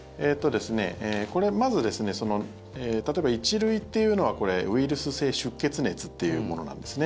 まず例えば１類っていうのはウイルス性出血熱っていうものなんですね。